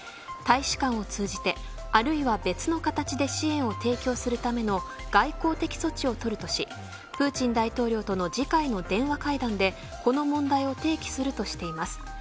大使館を通じてあるいは別の形で支援を提供するための外交的措置を取るとしプーチン大統領との次回の電話会談でこの問題を提起するとしています。